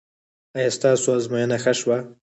ایا ستاسو ازموینه ښه شوه؟